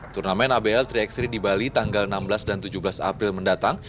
turnamen abl tiga x tiga di bali tanggal enam belas dan tujuh belas april mendatang